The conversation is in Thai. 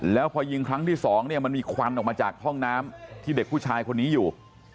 แล้วพอยิงครั้งที่สองเนี่ยมันมีควันออกมาจากห้องน้ำที่เด็กผู้ชายคนนี้อยู่